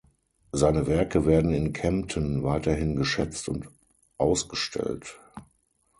Seine Werke werden in Kempten weiterhin geschätzt und ausgestellt.